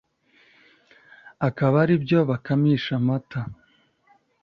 akaba ari byo bakamisha amata.